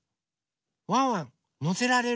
ワンワンのせられる？